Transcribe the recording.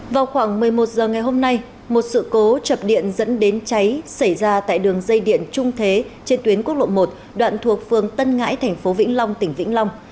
vào khoảng một mươi một h ngày hôm nay một sự cố chập điện dẫn đến cháy xảy ra tại đường dây điện trung thế trên tuyến quốc lộ một đoạn thuộc phường tân ngãi thành phố vĩnh long tỉnh vĩnh long